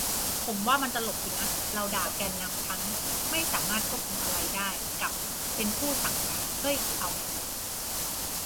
ผมว่ามันตลกดีนะ เราด่าแกนนำทั้ง "ไม่สามารถควบคุมอะไรได้" กับ "เป็นผู้สั่งการ" เฮ้ย เอาไงดี